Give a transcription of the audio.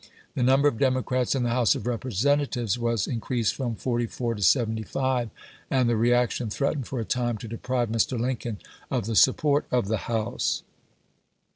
The number of Democrats in the House of Representatives was in creased from forty four to seventy five, and the re action threatened for a time to deprive Mr. Lincoln of the support of the House.